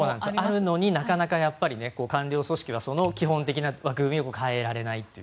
あるのになかなか官僚組織はその基本的な枠組みを変えられないという。